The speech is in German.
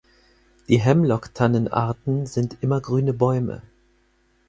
Die Hemlocktannen-Arten sind immergrüne Bäume.